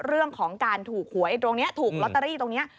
เรื่องของการถูกหวยตรงนี้ถูกลอตเตอรี่ตรงนี้